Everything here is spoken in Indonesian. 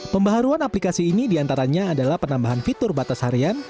pembaharuan aplikasi ini diantaranya adalah penambahan fitur batas harian